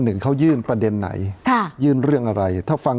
หนึ่งเขายื่นประเด็นไหนค่ะยื่นเรื่องอะไรถ้าฟัง